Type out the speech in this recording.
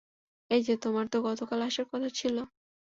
এইযে, তোমার তো গতকাল আসার কথা ছিল।